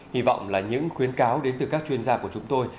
hy vọng là những khuyến cáo đến từ các chuyên gia của chúng tôi